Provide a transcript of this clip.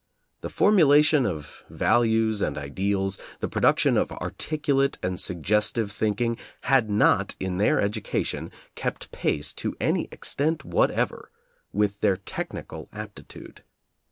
The formulation of values and ideals, the production of articulate and suggestive thinking, had not, in their educa tion, kept pace, to any extent whatever, with their technical aptitude.